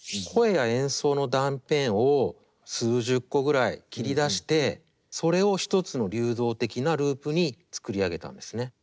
声や演奏の断片を数十個ぐらい切り出してそれを一つの流動的なループに作り上げたんですね。